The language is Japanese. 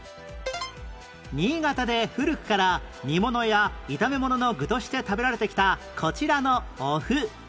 新潟で古くから煮物や炒め物の具として食べられてきたこちらのお麩